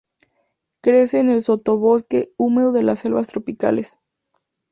Crece en el sotobosque húmedo de las selvas tropicales.